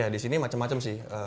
ya di sini macam macam sih